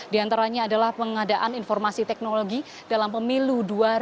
di antaranya adalah pengadaan informasi teknologi dalam pemilu dua ribu dua puluh